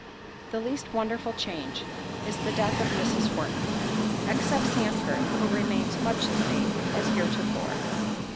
The least wonderful change, is, the death of Mrs. Horton. Except Sandford, who remains much the same as heretofore.